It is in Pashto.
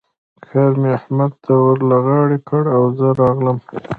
کار مې احمد ته ور له غاړې کړ او زه راغلم.